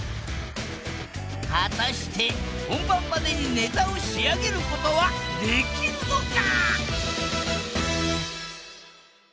果たして本番までにネタを仕上げることはできるのか？